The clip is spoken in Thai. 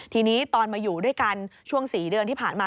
ทีนี้ตอนมาอยู่ด้วยกันช่วง๔เดือนที่ผ่านมา